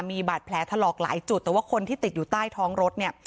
มีบาดแผลถลอกหลายจุดแต่ว่าคนที่ติดอยู่ใต้ท้องรถเนี่ย